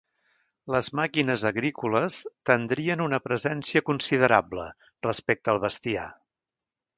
Les màquines agrícoles tendrien una presència considerable, respecte al bestiar.